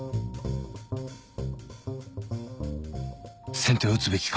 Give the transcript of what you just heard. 先手を打つべきか？